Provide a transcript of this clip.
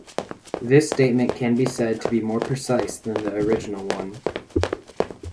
This statement can be said to be more precise than the original one.